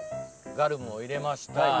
ガルムを入れました。